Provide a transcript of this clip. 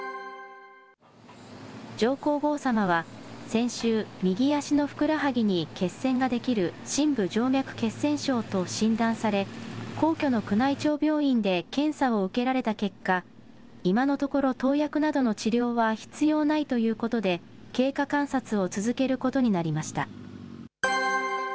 上皇后さまは、先週、右足のふくらはぎに血栓が出来る深部静脈血栓症と診断され、皇居の宮内庁病院で検査を受けられた結果、今のところ投薬などの治療は必要ないということで、経過観察を続けることになりました。